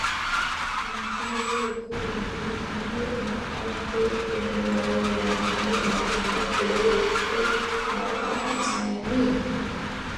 সমস্যা হলো অতীতে বিভিন্ন সময় হকারদের পুনর্বাসনের ব্যবস্থা করেও সুফল পাওয়া যায়নি।